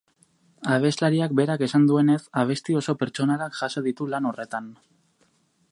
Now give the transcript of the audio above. Abeslariak berak esan duenez, abesti oso pertsonalak jaso ditu lan horretan.